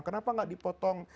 kenapa tidak dipotong